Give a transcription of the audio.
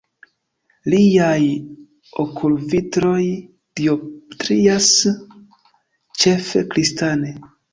Liaj okulvitroj dioptrias ĉefe kristane.